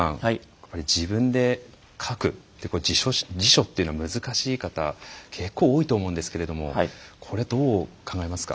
やっぱり自分で書くって自署というのは難しい方結構多いと思うんですけれどもこれどう考えますか？